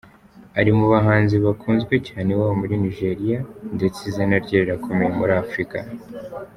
Ari mu bahanzi bakunzwe cyane iwabo muri Nigeria ndetse izina rye rirakomeye muri Afurika.